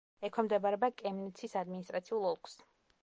ექვემდებარება კემნიცის ადმინისტრაციულ ოლქს.